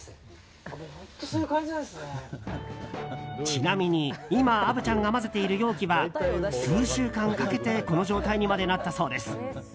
ちなみに、今虻ちゃんが混ぜている容器は数週間かけてこの状態にまでなったそうです。